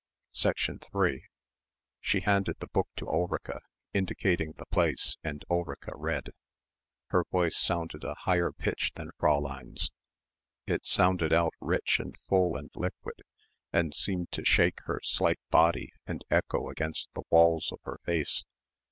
3 She handed the book to Ulrica, indicating the place and Ulrica read. Her voice sounded a higher pitch than Fräulein's. It sounded out rich and full and liquid, and seemed to shake her slight body and echo against the walls of her face.